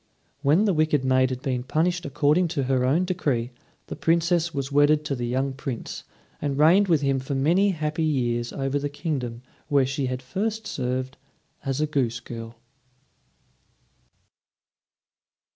When the wicked maid had been punished according to her own decree, the Princess was wedded to the young Prince, and reigned with him for many happy years over the kingdom where she had first served as a goose girl.